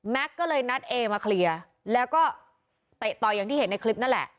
ก็เลยนัดเอมาเคลียร์แล้วก็เตะต่อยอย่างที่เห็นในคลิปนั่นแหละ